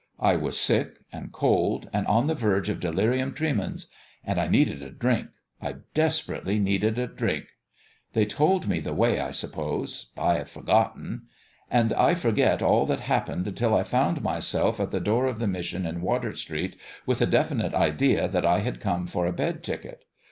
I was sick, and cold, and on the verge of delirium tremens ; and I needed a drink I desperately needed a drink. IN HIS OWN BEHALF 341 They told me the way, I suppose I have for gotten. And I forget all that happened until I found myself at the door of the mission in Water Street with the definite idea that I had come for a bed ticket.